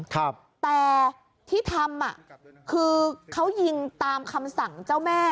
แต่ที่ทำอ่ะคือเขายิงตามคำสั่งเจ้าแม่